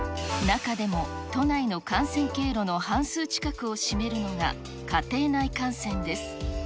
中でも、都内の感染経路の半数近くを占めるのが、家庭内感染です。